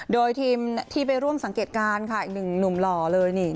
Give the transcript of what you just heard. โดยทีมที่ไปร่วมสังเกตการณ์ค่ะอีกหนึ่งหนุ่มหล่อเลยนี่